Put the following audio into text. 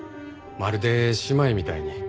まるで姉妹みたいに。